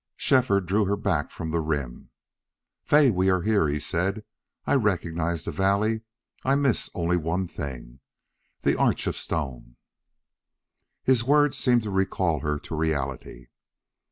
Shefford drew her back from the rim. "Fay, we are here," he said. "I recognize the valley. I miss only one thing the arch of stone." His words seemed to recall her to reality.